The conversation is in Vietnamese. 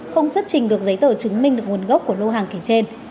không xuất trình được giấy tờ chứng minh được nguồn gốc của lô hàng kể trên